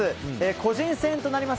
個人戦となります。